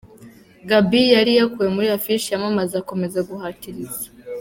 Gaby yari yakuwe kuri Affiche yamamaza akomeza guhatiriza